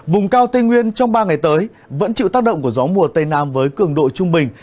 vùng cao tây nguyên trong ba ngày tới vẫn chịu tác động của gió mùa tây nam với cường độ trung bình